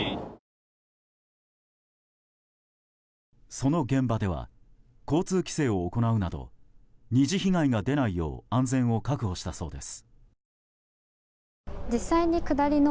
その現場では交通規制を行うなど２次被害が出ないよう安全を確保したそうです。